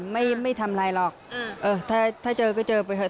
ไม่ไม่ทำอะไรหรอกเออถ้าเจอก็เจอไปเถอ